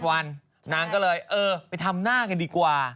วันนางก็เลยเออไปทำหน้ากันดีกว่า